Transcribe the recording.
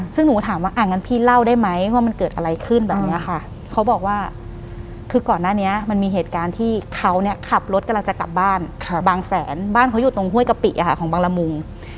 ซึ่งหนูถามว่าอ่ะงั้นพี่เล่าได้ไหมว่ามันเกิดอะไรขึ้นแบบนี้ค่ะเขาบอกว่าคือก่อนหน้านี้มันมีเหตุการณ์ที่เขาเนี่ยขับรถกำลังจะกลับบ้านบางแสนบ้านเขาอยู่ตรงห้วยกะปิของบางละมุง